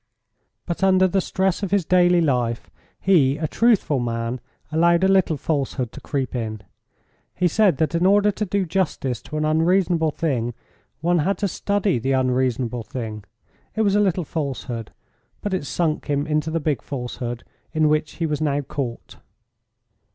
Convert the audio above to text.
But under the stress of his daily life he, a truthful man, allowed a little falsehood to creep in. He said that in order to do justice to an unreasonable thing one had to study the unreasonable thing. It was a little falsehood, but it sunk him into the big falsehood in which he was now caught.